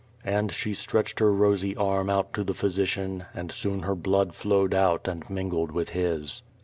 And she stretched her rosy arm out to the physician and soon her blood flowed out and mingled with his.